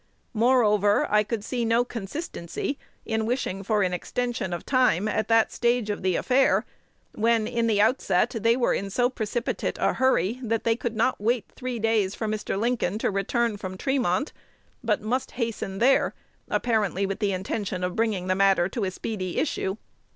Moreover, I could see no consistency in wishing for an extension of time at that stage of the affair, when in the outset they were in so precipitate a hurry, that they could not wait three days for Mr. Lincoln to return from Tremont, but must hasten there, apparently with the intention of bringing the matter to a speedy issue.